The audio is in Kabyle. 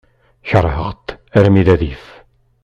Keṛheɣ-t armi d adif.